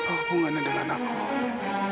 saya ini jangan sakit